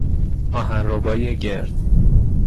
آهنربای گرد